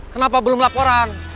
kenapa belum laporan